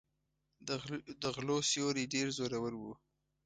د غلو سیوری ډېر زورور و.